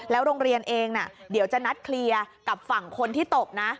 โรงเรียนเองเดี๋ยวจะนัดเคลียร์กับฝั่งคนที่ตบนะ